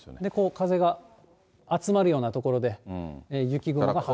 風が集まるような所で雪雲が発達する。